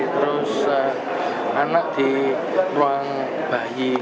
terus anak di ruang bayi